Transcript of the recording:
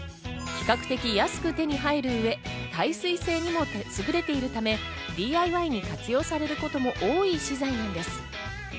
比較的安く手に入る上、耐水性にもすぐれているため、ＤＩＹに活用されることも多い資材なんです。